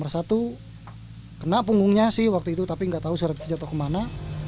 satu kena punggungnya sih waktu itu tapi nggak tahu syaratnya jatuh kemana